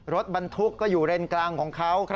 รถบรรทุกก็อยู่เลนกลางของเขา